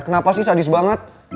kenapa sih sadis banget